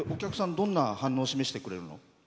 どんな反応してくれるの？